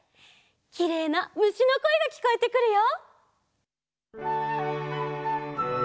きれいなむしのこえがきこえてくるよ。